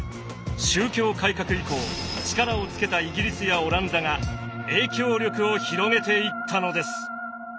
宗教改革以降力をつけたイギリスやオランダが影響力を広げていったのです。